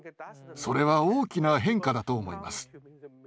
それは大きな変化だと思います。